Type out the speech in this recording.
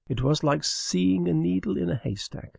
It was like seeking a needle in a haystack.